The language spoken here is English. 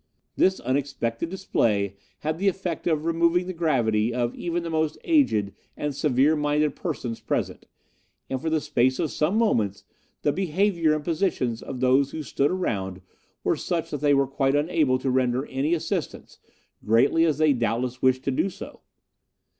This unexpected display had the effect of removing the gravity of even the most aged and severe minded persons present, and for the space of some moments the behaviour and positions of those who stood around were such that they were quite unable to render any assistance, greatly as they doubtless wished to do so.